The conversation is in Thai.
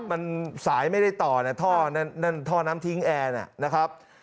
มันสายไม่ได้ต่อนะท่อนั่นท่อน้ำทิ้งแอร์นะครับ